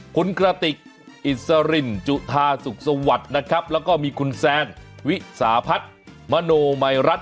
คุณกระติกอิสรินจุธาสุขสวัสดิ์นะครับแล้วก็มีคุณแซนวิสาพัฒน์มโนมัยรัฐ